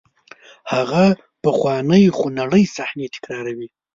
هغه پخوانۍ خونړۍ صحنې تکراروئ.